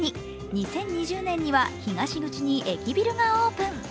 ２０２０年には東口に駅ビルがオープン。